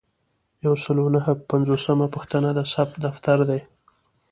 یو سل او نهه پنځوسمه پوښتنه د ثبت دفتر دی.